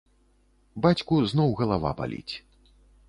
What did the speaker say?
Бацьку зноў галава баліць.